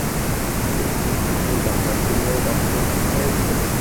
সে কি শুধু টাকার জন্য ডাক্তারি শিখিয়াছে?